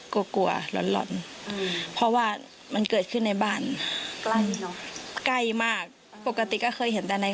คนใกล้ตัวคนรู้จักอะไรอย่างนี้